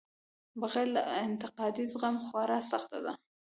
بغیر له انتقادي زغم خورا سخته ده.